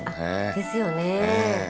ですよね。